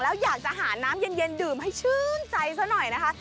แล้วอยากจะหาน้ำเย็นดื่มให้ชื่นใจซะหน่อยนะคะ